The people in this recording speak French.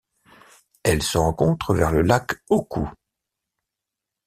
Elle se rencontre vers le lac Oku.